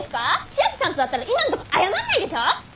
千明さんとだったら今んとこ謝んないでしょ！